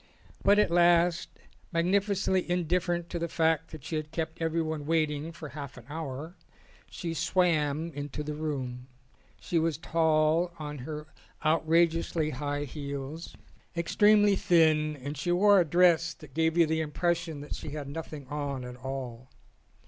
But at last, magnificently indifferent to the fact that she had kept everyone waiting for half an hour, she swam into the room. She was tall on DINNEB PARTIES her outrageously high heels, extremely thin, and she wore a dress that gave you the impression that she had nothing on at all.